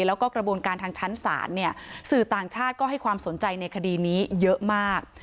แล้วก็กระบวนการทางชั้นศาลเนี่ยสื่อต่างชาติก็ให้ความสนใจในคดีนี้เยอะมาก